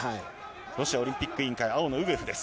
ロシアオリンピック委員会、青のウグエフです。